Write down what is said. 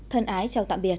thân ái chào tạm biệt